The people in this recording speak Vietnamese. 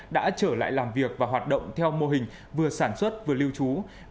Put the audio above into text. đã trở lại làm việc và hoạt động theo mô hình vừa sản xuất vừa lưu trú